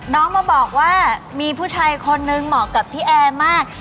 น้องมาบอกว่ามีผู้ชายคนนึงเหมาะกับพี่แอร์มาก